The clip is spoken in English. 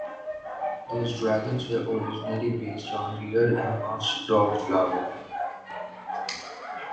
Those dragons were originally based on Real and Muff's dog Flower.